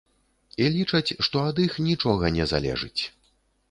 І лічаць, што ад іх нічога не залежыць.